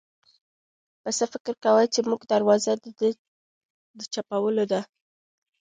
پسه فکر کاوه چې زموږ دروازه د ده د چپلو ده.